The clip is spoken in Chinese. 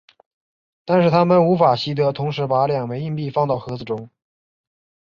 但是它们无法习得同时把两枚硬币放到盒子中。